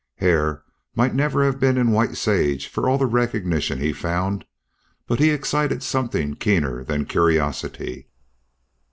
Hare might never have been in White Sage for all the recognition he found, but he excited something keener than curiosity.